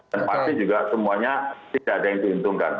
dan pasti juga semuanya tidak ada yang dihitungkan